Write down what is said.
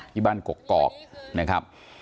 ที่บ้านกกอกนะครับ